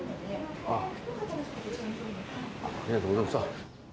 ありがとうございます。